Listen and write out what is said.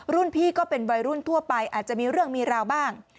พี่ก็เป็นวัยรุ่นทั่วไปอาจจะมีเรื่องมีราวบ้าง